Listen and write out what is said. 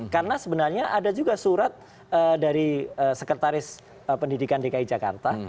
karena sebenarnya ada juga surat dari sekretaris pendidikan dki jakarta